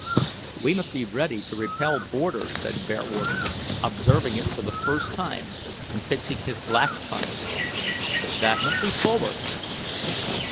"We must be ready to repel boarders," said Bearwarden, observing it for the first time and fixing his glass upon it. "That must be Phobos."